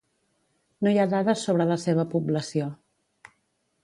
No hi ha dades sobre la seva població.